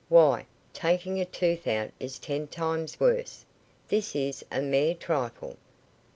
Why, taking a tooth out is ten times worse. This is a mere trifle.